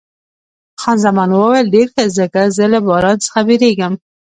خان زمان وویل، ډېر ښه، ځکه زه له باران څخه بیریږم.